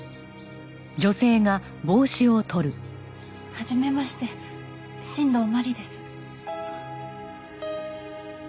はじめまして新道真理です。